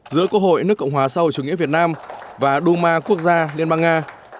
giữa quốc hội nước cộng hòa sau chủ nghĩa việt nam và đu ma quốc gia liên bang nga